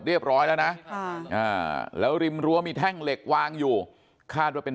เรียบร้อยแล้วนะแล้วริมรั้วมีแท่งเหล็กวางอยู่คาดว่าเป็น